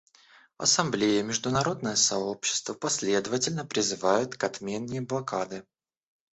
Ассамблея и международное сообщество последовательно призывают к отмене блокады.